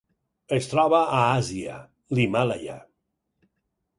Es troba a Àsia: l'Himàlaia.